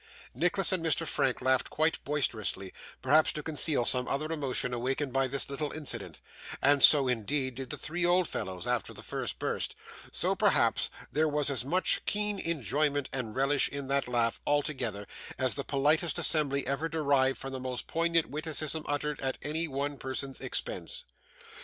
Nicholas and Mr. Frank laughed quite boisterously, perhaps to conceal some other emotion awakened by this little incident, (and so, indeed, did the three old fellows after the first burst,) so perhaps there was as much keen enjoyment and relish in that laugh, altogether, as the politest assembly ever derived from the most poignant witticism uttered at any one person's expense.